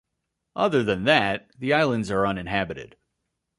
Other than that, the islands are uninhabited.